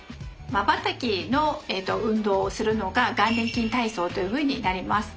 まばたきの運動をするのが眼輪筋体操というふうになります。